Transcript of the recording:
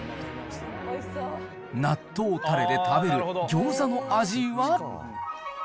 納豆たれで食べるギョーザの味は？